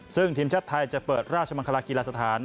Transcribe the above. ซึ่งทีมชาติไทยจะเปิดราชมังคลากีฬาสถาน